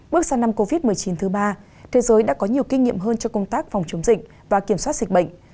bước sang năm covid một mươi chín thứ ba thế giới đã có nhiều kinh nghiệm hơn cho công tác phòng chống dịch và kiểm soát dịch bệnh